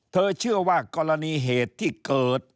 เชื่อว่ากรณีเหตุที่เกิด